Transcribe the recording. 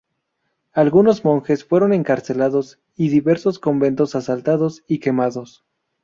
Algunos monjes fueron encarcelados y diversos conventos asaltados y quemados.